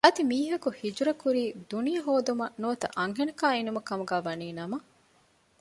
އަދި މީހަކު ހިޖުރަ ކުރީ ދުނިޔެ ހޯދުމަށް ނުވަތަ އަންހެނަކާ އިނުމަށް ކަމުގައި ވަނީ ނަމަ